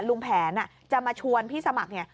ลุงแผนจะมาชวนพี่สมัครเนี่ย